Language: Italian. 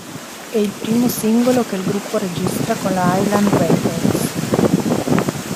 È il primo singolo che il gruppo registra con la Island Records.